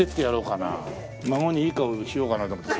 孫にいい顔しようかなと思って。